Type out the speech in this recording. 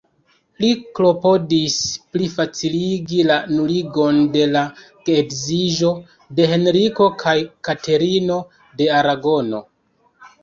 Li klopodis plifaciligi la nuligon de la geedziĝo de Henriko kaj Katerino de Aragono.